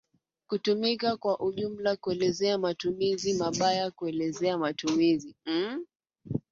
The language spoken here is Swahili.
kutumika kwa ujumla kuelezea matumizi mabayakuelezea matumizi